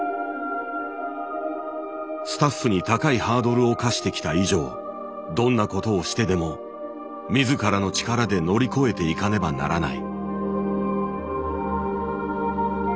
スタッフに高いハードルを課してきた以上どんなことをしてでも自らの力で乗り越えていかねばならない。